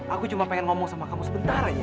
aku cuma pengen ngomong sama kamu sebentar aja